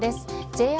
ＪＲ